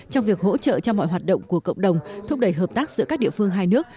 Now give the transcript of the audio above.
trong việc hỗ trợ cho mọi hoạt động của cộng đồng thúc đẩy hợp tác giữa các địa phương hai nước